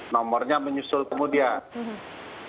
nomornya menyusul kemudian